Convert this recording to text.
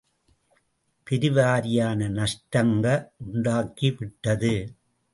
பெருவாரியான நஷ்டங்க உண்டாக்கிவிட்டது.